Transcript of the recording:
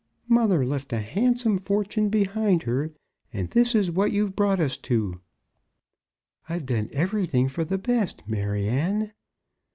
Mother left a handsome fortune behind her, and this is what you've brought us to." "I've done everything for the best, Maryanne."